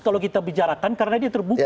kalau kita bicarakan karena dia terbuka